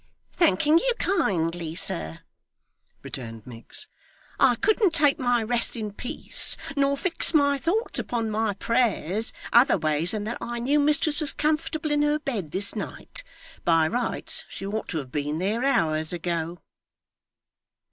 'Thanking you kindly, sir,' returned Miggs, 'I couldn't take my rest in peace, nor fix my thoughts upon my prayers, otherways than that I knew mistress was comfortable in her bed this night; by rights she ought to have been there, hours ago.